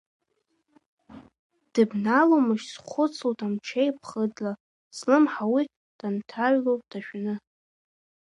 Дыбналомашь, схәыцлоит, амҽеи ԥхыӡла, слымҳа уи данҭаҩло дашәаны.